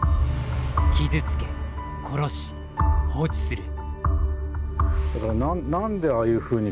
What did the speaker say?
傷つけ殺し放置する。